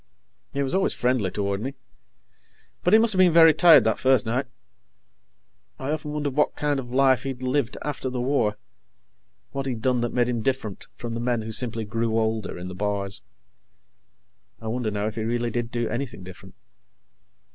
He was always friendly toward me, but he must have been very tired that first night. I often wondered what kind of a life he'd lived after the war what he'd done that made him different from the men who simply grew older in the bars. I wonder, now, if he really did do anything different.